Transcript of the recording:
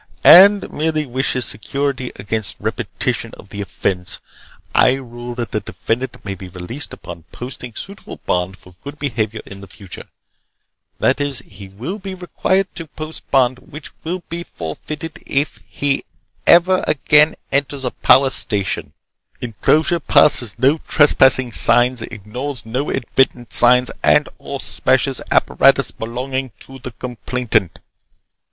"And merely wishes security against repetition of the offense, I rule that the defendant may be released upon posting suitable bond for good behavior in the future. That is, he will be required to post bond which will be forfeited if he ever again enters a power station enclosure passes no trespassing signs ignores no admittance signs and/or smashes apparatus belonging to the complainant."